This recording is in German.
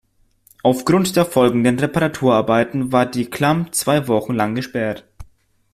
Aufgrund der folgenden Reparaturarbeiten war die Klamm zwei Wochen lang gesperrt.